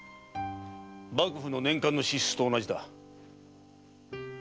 幕府の年間の支出と同じだ。